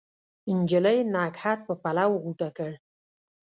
نجلۍ نګهت په پلو غوټه کړ